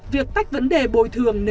việc tách vấn đề bồi thường